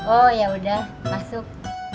oh yaudah masuk